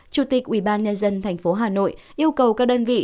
chủ tịch ủy ban nhân dân tp hà nội yêu cầu các đơn vị